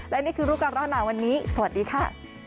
และนี่คือรูปการณ์หนาวันนี้สวัสดีค่ะ